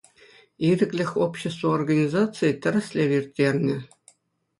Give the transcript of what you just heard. «Ирӗклӗх» общество организацийӗ тӗрӗслев ирттернӗ.